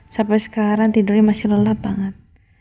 sampai sekarang tidurnya masih lelah banget